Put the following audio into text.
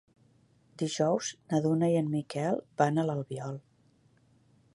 Dijous na Duna i en Miquel van a l'Albiol.